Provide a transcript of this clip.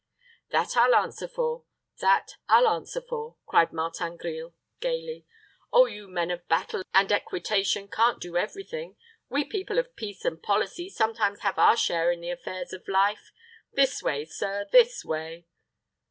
"That I'll answer for that I'll answer for," cried Martin Grille, gayly. "Oh, you men of battle and equitation can't do every thing. We people of peace and policy sometimes have our share in the affairs of life. This way, sir this way.